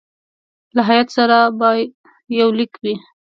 له هیات سره به یو لیک وي.